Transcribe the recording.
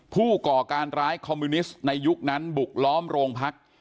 ก่อการร้ายคอมมิวนิสต์ในยุคนั้นบุกล้อมโรงพัก